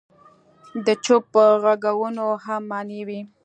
د چوپ ږغونو هم معنی وي.